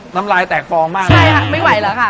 น้ำลายแตกฟองมากเลยใช่ค่ะไม่ไหวแล้วค่ะ